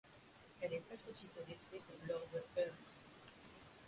Elle est presqu'aussitôt détruite lors de heurts.